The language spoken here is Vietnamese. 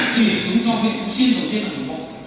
chúng cho việc cũng xin đầu tiên là đồng bộ